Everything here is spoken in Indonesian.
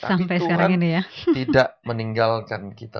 tapi tuhan tidak meninggalkan kita